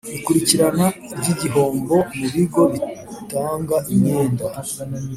Ikurikirana ry igihombo mu bigo bitanga imyenda